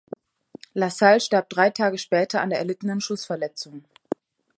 Lassalle starb drei Tage später an der erlittenen Schussverletzung.